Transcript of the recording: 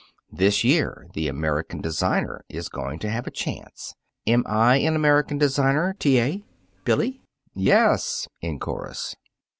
This year the American designer is going to have a chance. Am I an American designer, T. A., Billy?" "Yes!" in chorus.